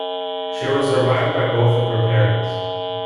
She was survived by both of her parents.